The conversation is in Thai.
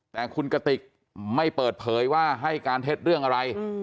แต่คุณกติกไม่เปิดเผยว่าให้การเท็จเรื่องอะไร